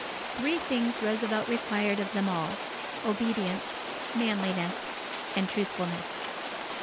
Three things Roosevelt required of them all: obedience, manliness, and truthfulness.